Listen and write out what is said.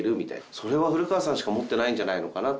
それは古川さんしか持ってないんじゃないのかなって。